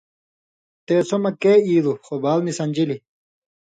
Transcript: تے سو مکّے ایلوۡ خو بال نی سن٘دژِلیۡ۔